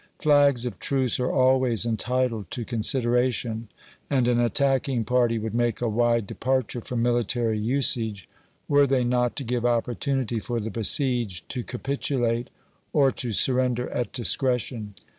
Flags of truce are always entitled to consideration, and an attacking party would make a wide departure from military usage, were they not to give opportunity for the besieged to capitulate, or to surrender at discretion.